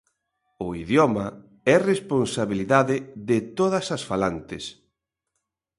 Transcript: O idioma é responsabilidade de todas as falantes.